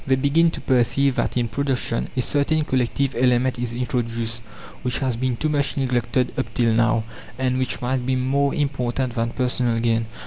They begin to perceive that in production a certain collective element is introduced, which has been too much neglected up till now, and which might be more important than personal gain.